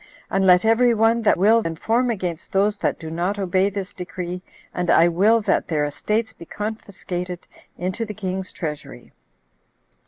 And let every one that will inform against those that do not obey this decree, and I will that their estates be confiscated into the king's treasury."